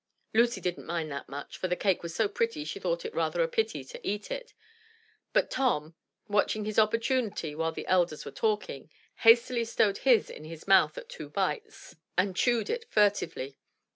Lucy didn't mind that much, for the cake was so pretty she thought it rather a pity to eat it; but Tom, watching his opportunity while the elders were talking, hastily stowed his in his mouth at two bites and chewed it furtively.